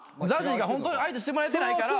ＺＡＺＹがホント相手してもらえてないから。